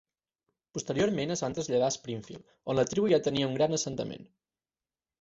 Posteriorment es van traslladar a Springfield on la tribu ja tenia un gran assentament.